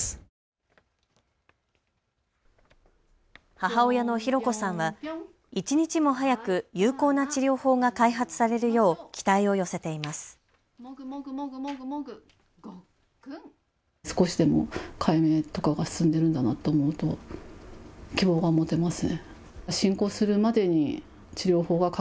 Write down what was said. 母親の寛子さんは一日も早く有効な治療法が開発されるよう期待を寄せています。